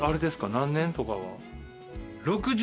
何年とかは。